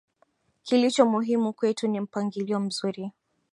kilicho muhimu kwetu ni mpangilio mzuri